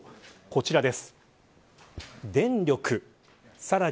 こちらです。